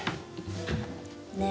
ねえ？